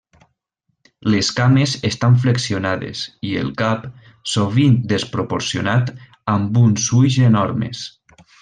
Les cames estan flexionades i el cap, sovint desproporcionat, amb uns ulls enormes.